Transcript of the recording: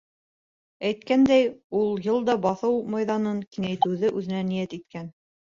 Әйткәндәй, ул йыл да баҫыу майҙанын киңәйтеүҙе үҙенә ниәт иткән.